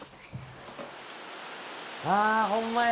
あほんまや。